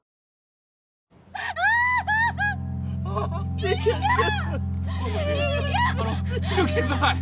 あのすぐ来てください！